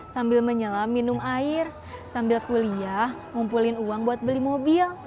sambil menyelam minum air sambil kuliah ngumpulin uang buat beli mobil